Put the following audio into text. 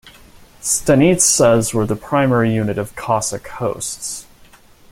Stanitsas were the primary unit of Cossack hosts.